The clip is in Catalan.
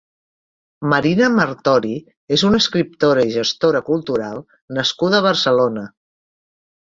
Marina Martori és una escriptora i Gestora Cultural nascuda a Barcelona.